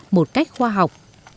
một cách khoa học